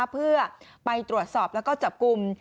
เพื่อไปตรวจสอบแล้วก็จับกลุ่ม